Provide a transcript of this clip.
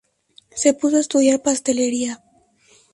Se puso a estudiar pastelería.